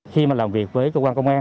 khi mà làm việc với cơ quan công an